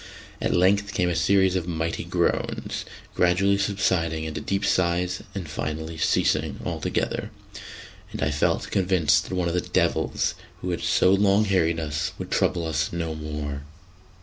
At length came a series of mighty groans, gradually subsiding into deep sighs, and finally ceasing altogether; and I felt convinced that one of the "devils" who had so long harried us would trouble us no more.